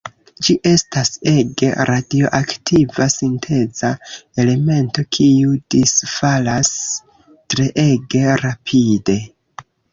Ĝi estas ege radioaktiva sinteza elemento kiu disfalas treege rapide.